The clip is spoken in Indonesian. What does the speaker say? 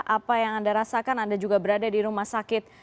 apa yang anda rasakan anda juga berada di rumah sakit